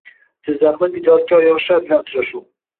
Jizzaxlik ijodkor yoshlar bilan uchrashuv